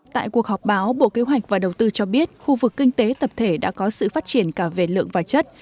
tại cuộc họp báo bộ kế hoạch và đầu tư cho biết khu vực kinh tế tập thể đã có sự phát triển cả về lượng và chất